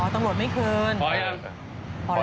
ตำรวจไม่เคลิ้น